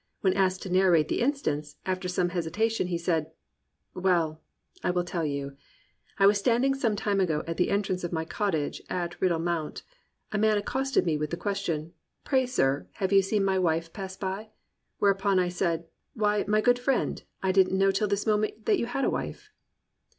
When asked to narrate the instance, after some hesitation he said: "Well, I will tell you. I was standing some time ago at the entrance of my cottage at Rydal Mount. A man accosted me with the question, 'Pray, sir, have you seen my wife pass by ?' Where upon I said, *W^hy, my good friend, I didn't know till this moment that you had a wife